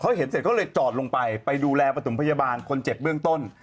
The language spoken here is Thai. เขาเห็นเสร็จเขาเลยจอดลงไปไปดูแลประถมพยาบาลคนเจ็บเบื้องต้น